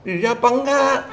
iya apa enggak